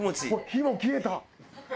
火も消えた。